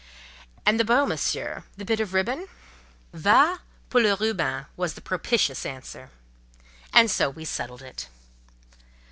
"And the bow, Monsieur—the bit of ribbon?" "Va pour le ruban!" was the propitious answer. And so we settled it.